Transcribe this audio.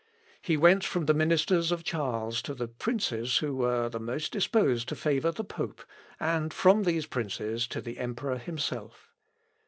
He went from the ministers of Charles to the princes who were most disposed to favour the pope, and from these princes to the emperor himself.